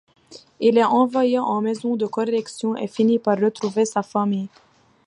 Il est envoyé en maison de correction, et finit par retrouver sa famille.